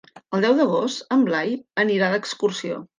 El deu d'agost en Blai anirà d'excursió.